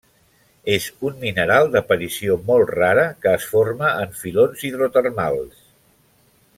És un mineral d'aparició molt rara, que es forma en filons hidrotermals.